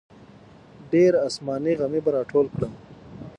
ډېر اسماني غمي به راټول کړم.